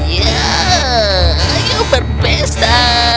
ya ayo berpesta